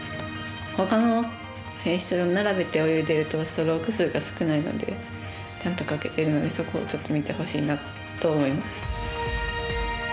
ほかの選手と並べて泳いでいるとストローク数が少ないのでちゃんとかけているのでそこを、ちょっと見てほしいなと思います。